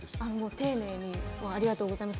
丁寧に、ありがとうございます